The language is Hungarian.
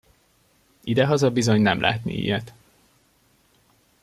Idehaza bizony nem látni ilyet!